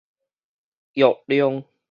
藥量